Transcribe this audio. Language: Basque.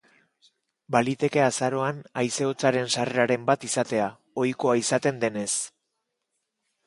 Baliteke azaroan haize hotzaren sarreraren bat izatea, ohikoa izaten denez.